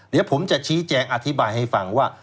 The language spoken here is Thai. เดี๋ยวผมจะชี้แจงอธิบายให้ฟังว่า